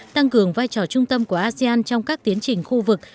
tăng cường vai trò trung tâm của asean trong các tiến trình khu vực